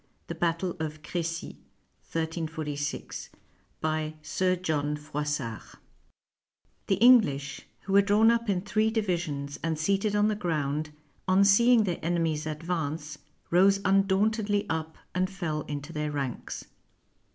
THE BATTLE OF CRECY BY SIR JOHN FROISSART The English, who were drawn up in three divisions and seated on the ground, on seeing their enemies advance, rose undauntedly up and fell into their ranks.